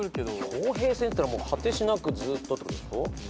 氷平線っていったら果てしなくずっとってことでしょ？